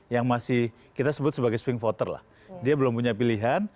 yang masih kita sebut sebagai swing voter lah dia belum punya pilihan